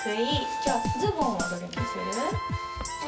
きょうズボンはどれにする？